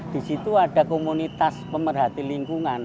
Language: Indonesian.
di situ ada komunitas pemerhati lingkungan